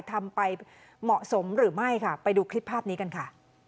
ทำไปเหมาะสมหรือไม่ค่ะไปดูคลิปภาพนี้กันค่ะ